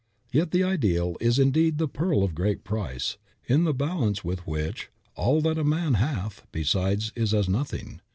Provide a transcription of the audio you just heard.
Yet the ideal is indeed the "pearl of great price," in the balance with which "all that a man hath" besides is as nothing.